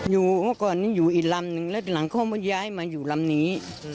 เมื่อก่อนนี้อยู่อีกลำนึงแล้วหลังเขามาย้ายมาอยู่ลำนี้